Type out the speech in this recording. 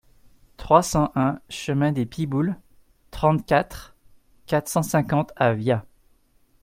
trois cent un chemin des Pibouls, trente-quatre, quatre cent cinquante à Vias